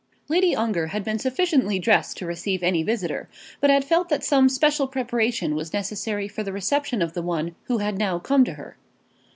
Lady Ongar had been sufficiently dressed to receive any visitor, but had felt that some special preparation was necessary for the reception of the one who had now come to her.